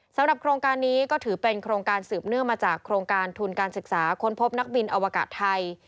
สำหรับโครงการนี้ก็ถือเป็นโครงการสืบเนื่องมาจากโครงการทุนการศึกษาค้นพบนักบินอวกาศไทย